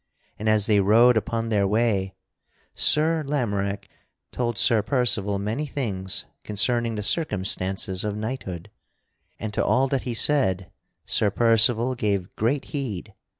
And as they rode upon their way Sir Lamorack told Sir Percival many things concerning the circumstances of knighthood, and to all that he said Sir Percival gave great heed.